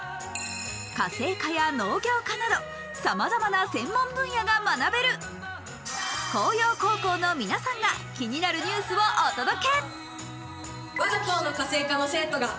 家政科や農業科などさまざまな専門分野が学べる興陽高校の皆さんが気になるニュースをお届け。